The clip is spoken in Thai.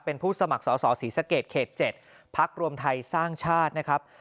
เป็นผู้สมัครสอสอศรีสะเกดเขต๗พักรวมไทยสร้างชาตินะครับ